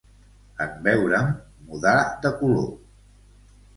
En veure'm, mudà de color.